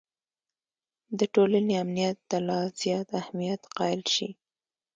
د ټولنې امنیت ته لا زیات اهمیت قایل شي.